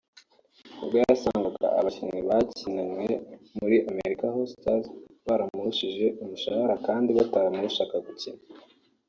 ubwo yasangaga abakinnyi bakinanye muri ‘American Hustle’ baramurushije umushahara kandi bataramurushije gukina